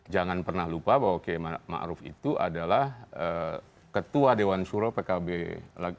jangan pernah lupa bahwa km ma'ruf itu adalah ketua dewan suro pkb mas malang